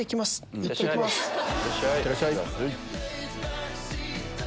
いってらっしゃい！